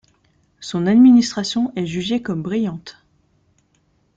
Son administration est jugée comme brillante.